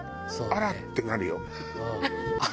あら？ってなる。